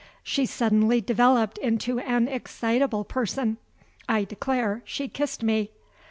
She suddenly developed into an excitable person I declare she kissed me.